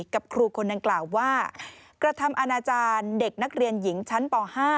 กับครูคนดังกล่าวว่ากระทำอาณาจารย์เด็กนักเรียนหญิงชั้นป๕